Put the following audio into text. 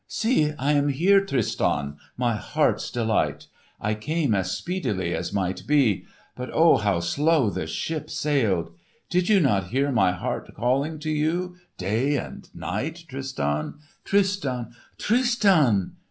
"See, I am here, Tristan—my heart's delight! I came as speedily as might be, but oh! how slow the ship sailed! Did you not hear my heart calling to you, day and night, Tristan, Tristan, Tristan!